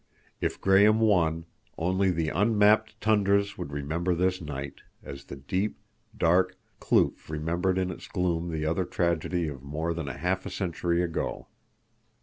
If Graham won, only the unmapped tundras would remember this night, as the deep, dark kloof remembered in its gloom the other tragedy of more than half a century ago.